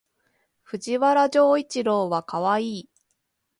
藤原丈一郎はかわいい